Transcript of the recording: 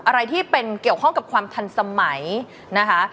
อะไรที่เป็นเกี่ยวข้องกับความทันสมัยนะคะ